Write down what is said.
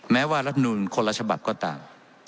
แม้ว่ารัฐมนูลคนละฉบับก็ตาม